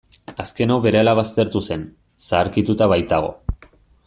Azken hau berehala baztertu zen, zaharkituta baitago.